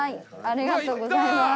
ありがとうございます。